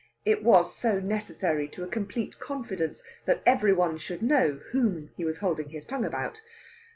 It was so necessary to a complete confidence that every one should know whom he was holding his tongue about.